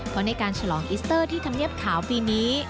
เพราะในการฉลองอิสเตอร์ที่ธรรมเนียบขาวปีนี้